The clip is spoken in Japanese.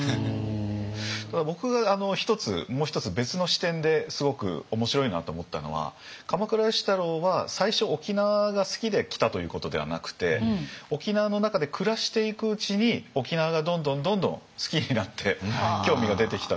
ただ僕がもう一つ別の視点ですごく面白いなと思ったのは鎌倉芳太郎は最初沖縄が好きで来たということではなくて沖縄の中で暮らしていくうちに沖縄がどんどんどんどん好きになって興味が出てきたという。